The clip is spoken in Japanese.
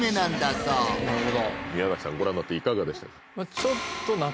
そう宮崎さんご覧になっていかがでしたか？